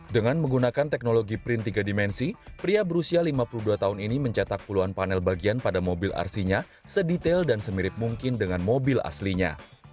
dengan menggunakan teknologi print tiga dimensi pria berusia lima puluh dua tahun ini mencetak puluhan panel bagian pada mobil rc nya sedetail dan semirip mungkin dengan mobil aslinya